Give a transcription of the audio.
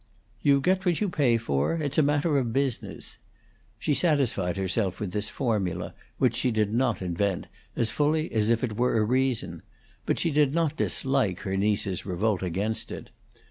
"You get what you pay for. It's a matter of business." She satisfied herself with this formula, which she did not invent, as fully as if it were a reason; but she did not dislike her niece's revolt against it.